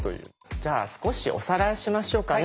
じゃあ少しおさらいしましょうかね。